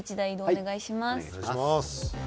お願いします。